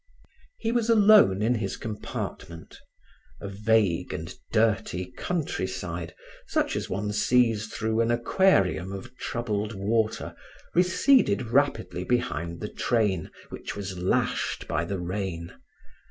He was alone in his compartment; a vague and dirty country side, such as one sees through an aquarium of troubled water, receded rapidly behind the train which was lashed by the rain.